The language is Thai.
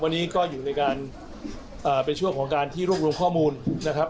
วันนี้ก็อยู่ในการเป็นช่วงของการที่รวบรวมข้อมูลนะครับ